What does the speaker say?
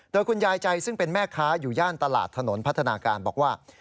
โดยคุณยายใจซึ่งเป็นแม่ค้าอยู่ย่านตลาดถนนพัฒนาการบอกว่า